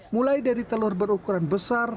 mulai dari telur berukuran besar